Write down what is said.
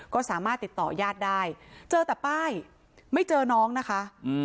ก็สามารถติดต่อญาติได้เจอแต่ป้ายไม่เจอน้องนะคะ